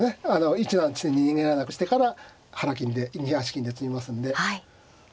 １七の地点に逃げられなくしてから腹金で２八金で詰みますので。